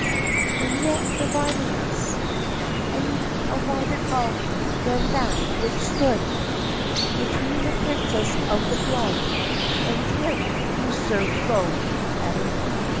And yet, dividing us, I meet a wider gulf than that which stood Between a princess of the blood and him who served low at her feet.